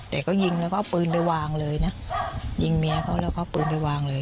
แต่เขายิงแล้วก็เอาปืนไปวางเลยนะยิงเมียเขาแล้วก็เอาปืนไปวางเลย